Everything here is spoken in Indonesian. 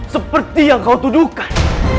seperti yang kau tuduhkan